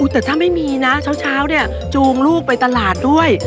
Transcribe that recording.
แต่ถ้าไม่มีนะเช้าเนี่ยจูงลูกไปตลาดด้วย